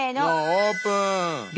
オープン！